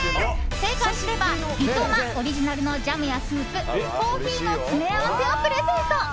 正解すれば、リトマオリジナルのジャムやスープ、コーヒーの詰め合わせをプレゼント。